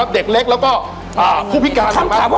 เด็กเล็กแล้วก็ผู้พิการ